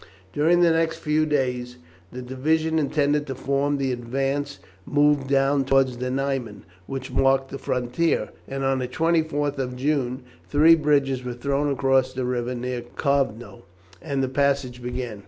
During the next few days the divisions intended to form the advance moved down towards the Niemen, which marked the frontier, and on the 24th of June three bridges were thrown across the river near Kovno, and the passage began.